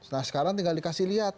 nah sekarang tinggal dikasih lihat